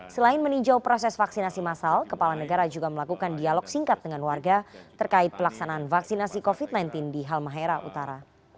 selain meninjau proses vaksinasi masal kepala negara juga melakukan dialog singkat dengan warga terkait pelaksanaan vaksinasi covid sembilan belas di halmahera utara